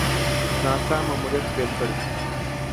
ناسا ماموریت پیل کړی.